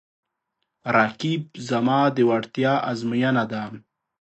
رقیب زما د وړتیا ازموینه ده